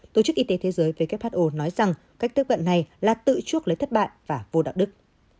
tổ chức y tế thế giới who nói rằng cách tiếp cận này là tự chuốc lấy thất bại và vô đạo đức